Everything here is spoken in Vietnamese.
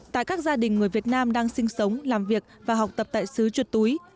tại các gia đình người việt nam đang sinh sống làm việc và học tập tại xứ chuột túi